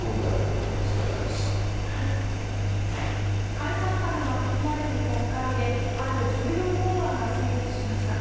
解散風が吹き荒れる国会である重要法案が成立しました。